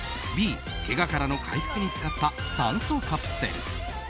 Ｂ、けがからの回復に使った酸素カプセル。